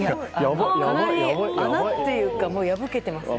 穴っていうか、破けてますね。